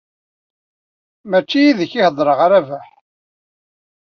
Mačči yid-k i d-heddreɣ a Rabaḥ.